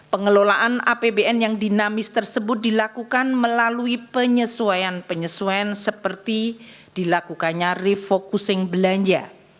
pengelolaan apbn yang dinamis tersebut dilakukan melalui penyesuaian penyesuaian seperti dilakukannya refocusing belanja